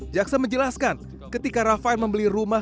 jaxa menjelaskan ketika rafael membeli rumah